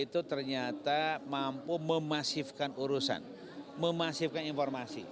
itu ternyata mampu memasifkan urusan memasifkan informasi